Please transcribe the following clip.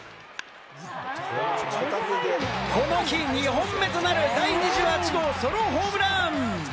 この日、２本目となる第２８号ソロホームラン！